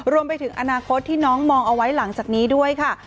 รวมไปถึงอนาคตที่น้องมองเอาไว้หลังจากนี้ด้วยค่ะ